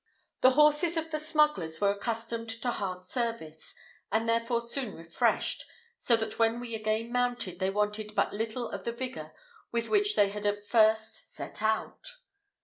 The horses of the smugglers were accustomed to hard service, and therefore soon refreshed, so that when we again mounted, they wanted but little of the vigour with which they had at first set out.